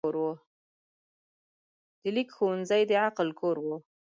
د لیک ښوونځی د عقل کور و.